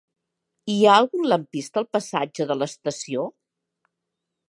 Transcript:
Hi ha algun lampista al passatge de l'Estació?